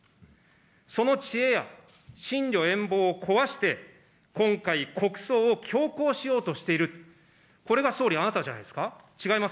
その知恵や深慮遠謀を壊して、今回、国葬を強行しようとしている、これが総理、あなたじゃないですか。